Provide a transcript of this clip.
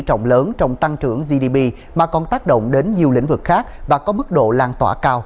trọng lớn trong tăng trưởng gdp mà còn tác động đến nhiều lĩnh vực khác và có mức độ lan tỏa cao